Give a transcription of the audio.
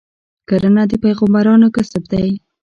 کرنه د پیغمبرانو کسب دی.